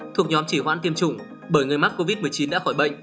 thuộc nhóm chỉ hoãn tiêm chủng bởi người mắc covid một mươi chín đã khỏi bệnh